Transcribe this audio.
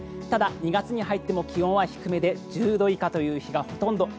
ただ、２月に入っても気温は低めで１０度以下という日がほとんど。